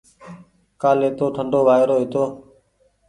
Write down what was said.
ڪآلي تو ٺنڍو وآئيرو هيتو۔